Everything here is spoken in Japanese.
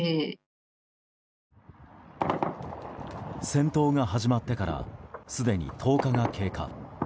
戦闘が始まってからすでに１０日が経過。